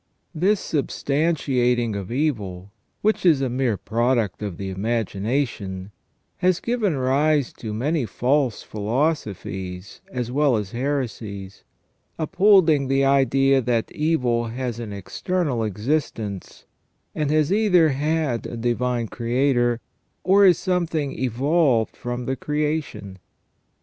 This substantiating of evil, which is a mere product of the imagination, has given rise to many false philosophies as well as heresies, upholding the idea that evil has an external existence, and has either had a divine creator, or is something evolved from the creation.